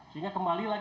sehingga kembali lagi